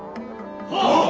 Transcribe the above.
はっ！